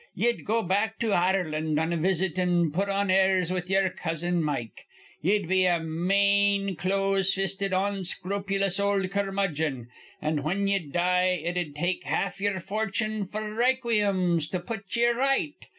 Ye'd go back to Ireland on a visit, an' put on airs with ye'er cousin Mike. Ye'd be a mane, close fisted, onscrupulous ol' curmudgeon; an', whin ye'd die, it'd take half ye'er fortune f'r rayqueems to put ye r right.